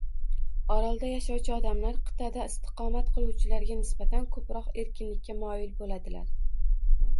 Orolda yashovchi odamlar qit’ada istiqomat qiluvchilarga nisbatan ko‘proq erkinlikka moyil bo‘ladilar.